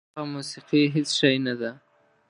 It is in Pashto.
هغه موسیقي هېڅ شی نه ده.